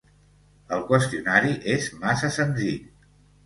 El qüestionari és massa senzill.